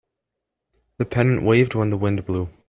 The pennant waved when the wind blew.